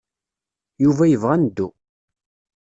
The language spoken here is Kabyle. Yuba yebɣa ad neddu.